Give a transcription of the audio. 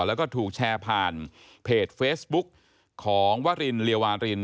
แล้วก็ถูกแชร์ผ่านเพจเฟซบุ๊กของวรินเรียวาริน